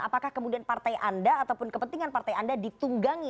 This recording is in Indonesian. apakah kemudian partai anda ataupun kepentingan partai anda ditunggangi